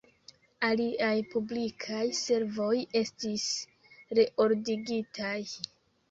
Aliaj publikaj servoj estis “reordigitaj.